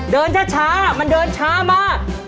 เดินช้ามันเดินช้ามาก